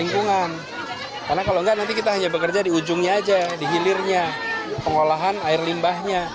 karena kalau enggak nanti kita hanya bekerja di ujungnya aja di hilirnya pengolahan air limbahnya